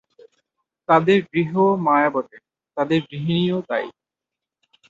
তাদের গৃহও মায়া বটে, তাদের গৃহিণীও তাই।